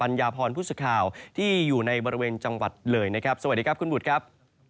ครับสวัสดีครับคุณทุกชนานครับ